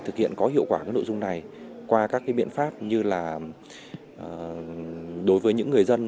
thực hiện có hiệu quả nội dung này qua các biện pháp như là đối với những người dân